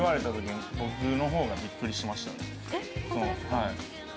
はい。